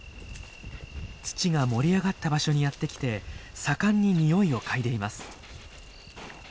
土が盛り上がった場所にやってきて盛んににおいを嗅いでいます。